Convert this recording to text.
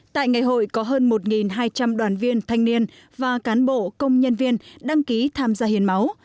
tại ngày hội có hơn một hai trăm linh đoàn viên thanh niên và cán bộ công nhân viên đăng ký tham gia hiến máu